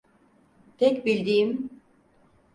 Tek bildiğim…